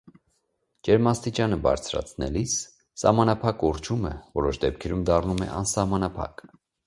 Ջերմաստիճանը բարձրացնելիս սահմանափակ ուռչումը որոշ դեպքերում դառնում է անսահմանափակ։